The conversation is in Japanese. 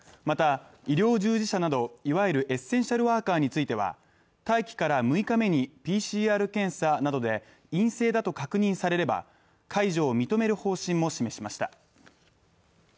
また、医療従事者などいわゆるエッセンシャルワーカーについては待機から６日目にＰＣＲ検査などで陰性だと確認されれば解除を認める方針も示しました。